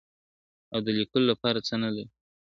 او د لیکلو لپاره څه نه لري ,